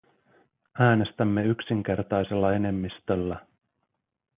Äänestämme yksinkertaisella enemmistöllä.